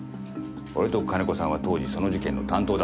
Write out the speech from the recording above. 俺と金子さんは当時その事件の担当だったんだ。